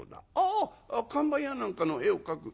「あ看板や何かの絵を描く」。